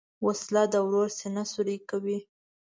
وسله د ورور سینه سوری کوي